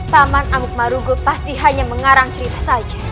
taman amuk marugo pasti hanya mengarang cerita saja